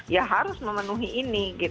ya harus memenuhi ini